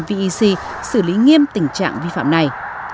vec xử lý nghiêm tình trạng vi phạm này